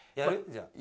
じゃあ。